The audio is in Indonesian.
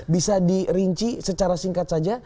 bisa dirinci secara singkat saja